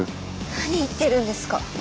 何言ってるんですか？